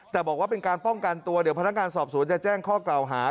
แต่บอกว่าเป็นการป้องกันตัวเดี๋ยวพนักงานสอบสวนจะแจ้งข้อกล่าวหา